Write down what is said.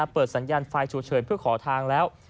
เปิดสัญญาณไฟฉุกเฉินเพื่อขอทางแล้ว